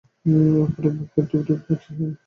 অপুর বুক টিপ টিপ করিতেছিল।